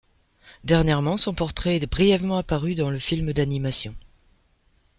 Dernièrement, son portrait est brièvement apparu dans le film d'animation.